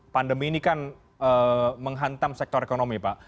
pandemi ini kan menghantam sektor ekonomi pak